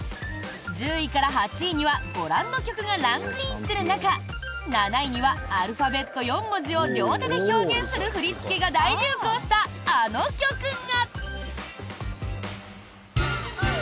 １０位から８位にはご覧の曲がランクインする中７位にはアルファベット４文字を両手で表現する振り付けが大流行したあの曲が！